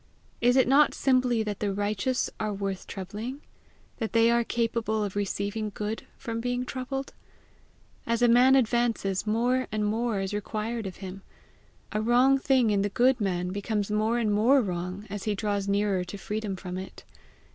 Is it not simply that the righteous are worth troubling? that they are capable of receiving good from being troubled? As a man advances, more and more is required of him. A wrong thing in the good man becomes more and more wrong as he draws nearer to freedom from it.